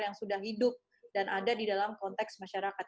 yang sudah hidup dan ada di dalam konteks masyarakat